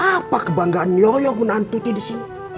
apa kebanggaan yoyok menahan tuti di sini